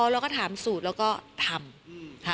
เราก็ถามสูตรแล้วก็ทำ